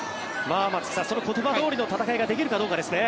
松木さんその言葉どおりの戦いができるかどうかですね。